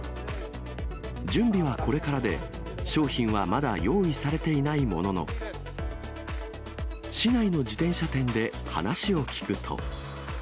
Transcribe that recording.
準備はこれからで、商品はまだ用意されていないものの、市内の自転車店で話を聞くと。